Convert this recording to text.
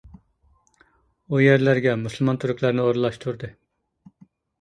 ئۇ يەرلەرگە مۇسۇلمان تۈركلەرنى ئورۇنلاشتۇردى.